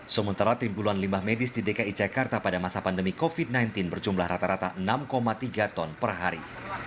sementara timbulan limbah medis di dki jakarta pada masa pandemi covid sembilan belas berjumlah rata rata enam tiga ton per hari